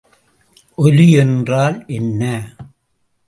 ஒலி என்றால் என்ன?